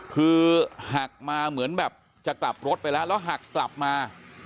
คือหักมาเหมือนแบบจะกลับรถไปแล้วแล้วหักกลับมา